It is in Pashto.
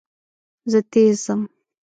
زه تېز ځم.